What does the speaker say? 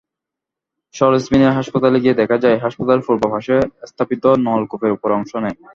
সরেজমিনে হাসপাতালে গিয়ে দেখা যায়, হাসপাতালের পূর্ব পাশে স্থাপিত নলকূপের ওপরের অংশ নেই।